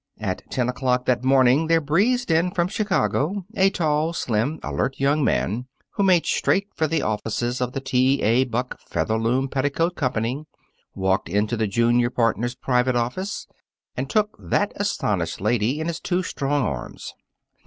At ten o'clock that morning, there breezed in from Chicago a tall, slim, alert young man, who made straight for the offices of the T. A. Buck Featherloom Petticoat Company, walked into the junior partner's private office, and took that astonished lady in his two strong arms.